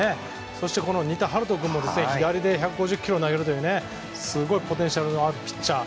そして、仁田陽翔君も左で１５０キロ投げるというすごいポテンシャルのあるピッチャー。